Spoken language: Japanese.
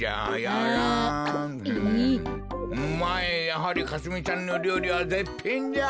やはりかすみちゃんのりょうりはぜっぴんじゃ。